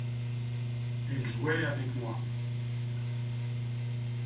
elle jouait avec moi.